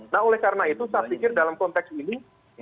nah oleh karena itu saya pikir dalam konteks ini